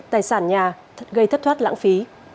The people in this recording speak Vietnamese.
tài sản nhà gây thất thoát lãng phí